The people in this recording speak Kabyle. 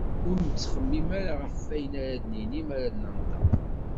Ur nettxemmim ara ɣef wayen ara d-nini mi ara d-nenṭeq.